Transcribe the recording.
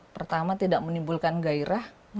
pertama tidak menimbulkan gairah